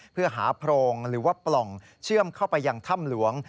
เพื่อหาโพรงหรือว่าปล่องเชื่อมเข้าไปยังถ้ำหลวง